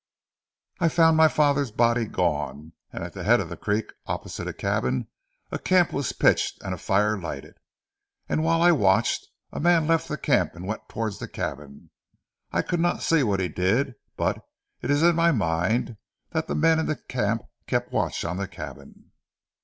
"I found my father's body gone, and at the head of the creek opposite a cabin a camp was pitched and a fire lighted, and whilst I watched a man left the camp and went towards the cabin. I could not see what he did, but it is in my mind that the men in the camp keep watch on the cabin."